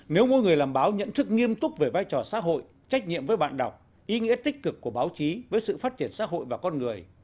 nếu mỗi người làm báo nhận thức nghiêm túc về vai trò xã hội trách nhiệm với bạn đọc ý nghĩa tích cực của báo chí với sự phát triển xã hội và con người